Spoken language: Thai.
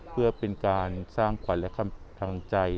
เพื่อเป็นการสร้างขวัญและทางใจ